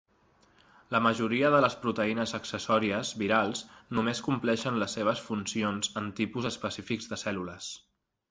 La majoria de les proteïnes accessòries virals només compleixen les seves funcions en tipus específics de cèl·lules.